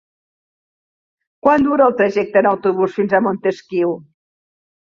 Quant dura el trajecte en autobús fins a Montesquiu?